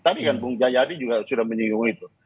tadi kan bung jayadi juga sudah menyinggung itu